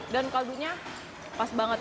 dan kaldu nya pas banget